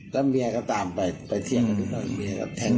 ก็เมียก็ตามไปเที่ยงกันดีกว่า